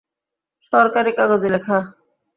সরকারি কাগজে লেখা।